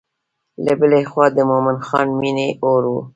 له بلې خوا د مومن خان مینې اور و.